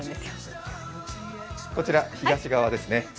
こちら、東側ですね。